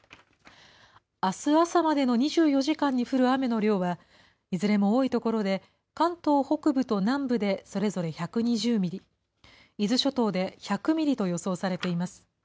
あす朝までの２４時間に降る雨の量は、いずれも多い所で、関東北部と南部でそれぞれ１２０ミリ、伊豆諸島で１００ミリと予想されています。